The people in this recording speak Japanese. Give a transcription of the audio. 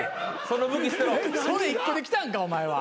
それ１個で来たんかお前は。